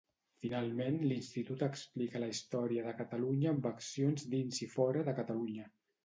Finalment, l'Institut explica la història de Catalunya amb accions dins i fora de Catalunya.